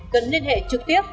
cần liên hệ trực tiếp